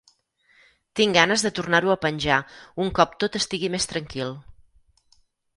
Tinc ganes de tornar-ho a penjar un cop tot estigui més tranquil.